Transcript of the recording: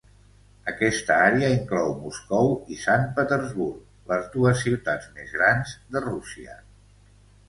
Aquesta àrea inclou Moscou i Sant Petersburg, les dues ciutats més grans de Rússia.